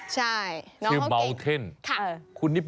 ใช่น้องเขาเก่ง